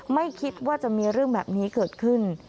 ไม่คิดว่าจะมีเรื่องแบบนี้เกิดขึ้น